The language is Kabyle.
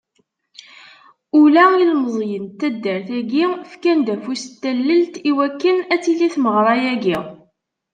Ula ilmeẓyen n taddart-agi fkan-d afus n tallelt, i wakken ad tili tmeɣra-agi..